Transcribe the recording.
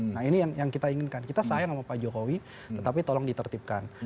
nah ini yang kita inginkan kita sayang sama pak jokowi tetapi tolong ditertibkan